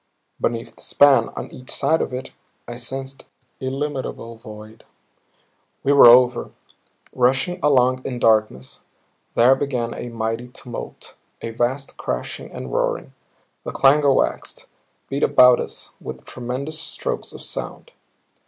Beneath the span, on each side of it, I sensed illimitable void. We were over; rushing along in darkness. There began a mighty tumult, a vast crashing and roaring. The clangor waxed, beat about us with tremendous strokes of sound.